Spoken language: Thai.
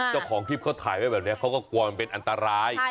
เจ้าของคลิปเขาถ่ายไว้แบบนี้เขาก็กลัวมันเป็นอันตราย